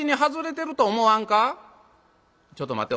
「ちょっと待て。